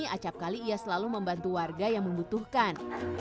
acapkali ia selalu membantu warga yang membutuhkan